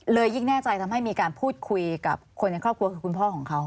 ยิ่งแน่ใจทำให้มีการพูดคุยกับคนในครอบครัวคือคุณพ่อของเขา